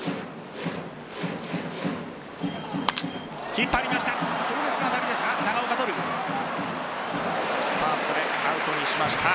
引っ張りました。